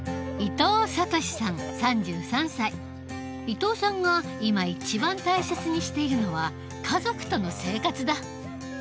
伊藤さんが今一番大切にしているのは家族との生活だ。